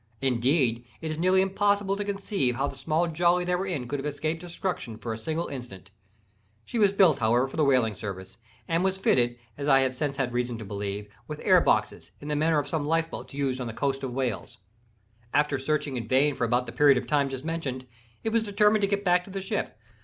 Indeed, it is nearly impossible to conceive how the small jolly they were in could have escaped destruction for a single instant. She was built, however, for the whaling service, and was fitted, as I have since had reason to believe, with air boxes, in the manner of some life boats used on the coast of Wales. After searching in vain for about the period of time just mentioned, it was determined to get back to the ship.